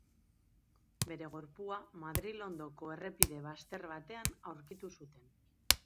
Bere gorpua Madril ondoko errepide bazter batean aurkitu zuten.